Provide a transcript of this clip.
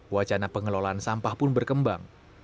wacana pengelolaan sampah pun berkembang